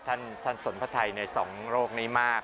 ท่านสนพระไทยในสองโรคนี้มาก